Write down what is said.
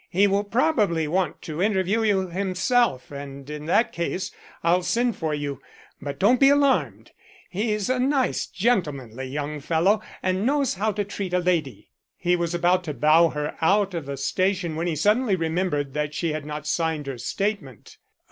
He will probably want to interview you himself and in that case I'll send for you. But don't you be alarmed he's a nice gentlemanly young fellow and knows how to treat a lady." He was about to bow her out of the station when he suddenly remembered that she had not signed her statement.